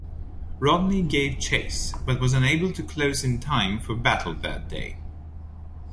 Rodney gave chase, but was unable to close in time for battle that day.